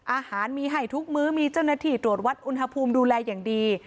อาหารมีให้ทุกมื้อมีเจ้าหน้าที่ตรวจวัดอุณหภูมิดูแลอย่างดี